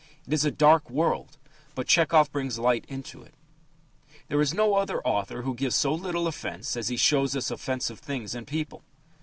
It is a dark world, but Tchehov brings light into it. There is no other author who gives so little offence as he shows us offensive things and people.